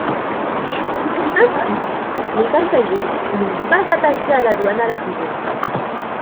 Ainsi, les passagers n'ont pas à passer à la douane à l'arrivée.